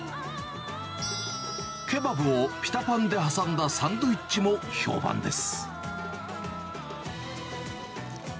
ケバブをピタパンで挟んだサンドイッチも評判です。